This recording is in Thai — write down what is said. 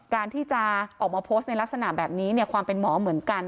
การที่จะออกมาโพสต์ในลักษณะแบบนี้ความเป็นหมอเหมือนกัน